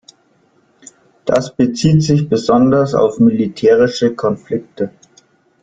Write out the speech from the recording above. Das bezieht sich besonders auf militärische Konflikte.